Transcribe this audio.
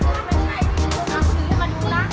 ทุกที่ว่าใช่ไหม